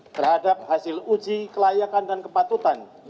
terhadap hasil uji kelayakan dan kepatutan